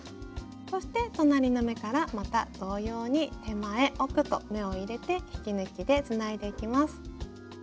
そして隣の目からまた同様に手前奥と目を入れて引き抜きでつないでいきます。